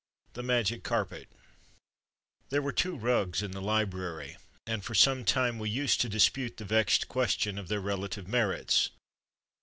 THE MAGIC CARPET THERE were two rugs in the library, and for some time we used to dispute the vexed question of their relative merits.